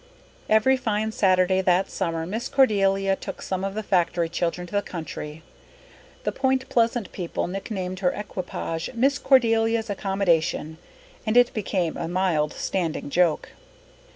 Every fine Saturday that summer Miss Cordelia took some of the factory children to the country. The Point Pleasant people nicknamed her equipage "Miss Cordelia's accommodation," and it became a mild standing joke.